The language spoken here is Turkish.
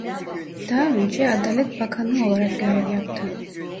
Daha önce Adalet Bakanı olarak görev yaptı.